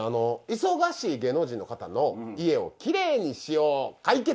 忙しい芸能人の方の家をきれいにしよう！解決！！